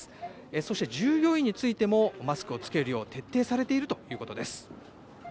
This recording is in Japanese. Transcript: そして従業員についても、マスクを着けるよう徹底されているということです。